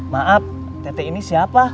maaf tete ini siapa